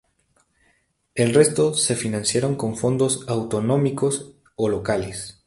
El resto se financiaron con fondos autonómicos o locales.